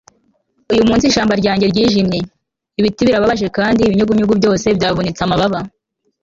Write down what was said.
uyu munsi ishyamba ryanjye ryijimye. ibiti birababaje kandi ibinyugunyugu byose byavunitse amababa